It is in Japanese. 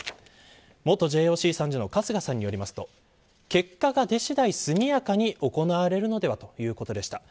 元ＪＯＣ参事の春日さんによりますと結果が出次第、速やかに行われるのではということです。